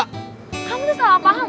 kamu itu salah paham